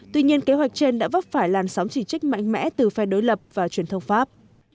tuy nhiên kế hoạch trên đã vấp phải làn sóng chỉ trích mạnh mẽ từ phe đối lập và truyền thông pháp